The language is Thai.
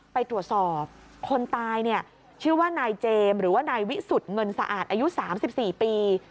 ไปตรวจสอบคนตายเนี่ยชื่อว่านายเจมส์หรือว่านายวิสุทธิ์เงินสะอาดอายุ๓๔ปี